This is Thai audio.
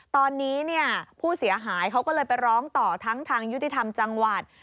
ตอนนี้เนี่ยผู้เสียหายเขาก็เลยไปร้องต่อทั้งทางยุติธรรมจังหวัด